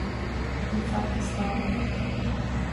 An Phacastáin